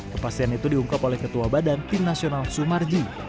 kepastian itu diungkap oleh ketua badan tim nasional sumarji